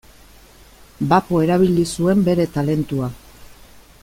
Bapo erabili zuen bere talentua.